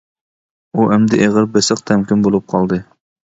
ئۇ ئەمدى ئېغىر-بېسىق، تەمكىن بولۇپ قالدى.